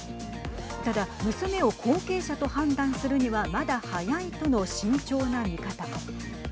ただ、娘を後継者と判断するにはまだ早いとの慎重な見方も。